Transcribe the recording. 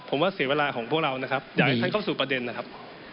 ผมว่าเสียเวลาของพวกเรานะครับอยากให้ท่านเข้าสู่ประเด็นนะครับ